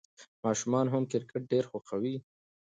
ماشومان هم کرکټ ډېر خوښوي.